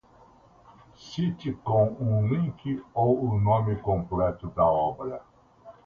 Cite com um link ou o nome completo da obra.